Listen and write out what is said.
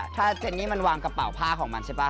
ถ้าเจนนี่มันวางกระเป๋าผ้าของมันใช่ป่ะ